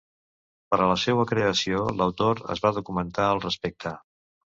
Per a la seua creació l'autor es va documentar al respecte.